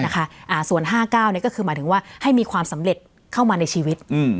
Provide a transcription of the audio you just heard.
นะคะอ่าส่วนห้าเก้าเนี้ยก็คือหมายถึงว่าให้มีความสำเร็จเข้ามาในชีวิตอืม